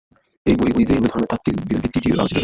এই বইগুলিতে হিন্দুধর্মের তাত্ত্বিক ভিত্তিটি আলোচিত হয়েছে।